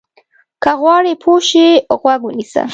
که غواړې پوه شې، غوږ ونیسه.